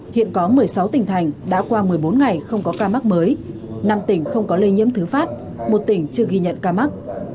hiện có một mươi sáu tỉnh thành đã qua một mươi bốn ngày không có ca mắc mới năm tỉnh không có lây nhiễm thứ phát một tỉnh chưa ghi nhận ca mắc